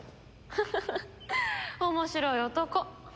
フフフ面白い男。